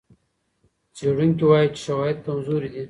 څېړونکي وايي چې شواهد کمزوري دي.